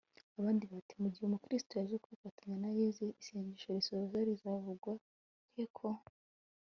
abandi bati mu gihe umukristu yaje kwifatanya na yezu, isengesho risoza rizavugirwa he, ko